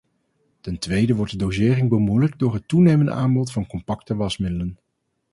Ten tweede wordt de dosering bemoeilijkt door het toenemende aanbod van compacte wasmiddelen.